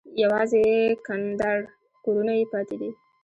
یوازې کنډر کورونه یې پاتې دي.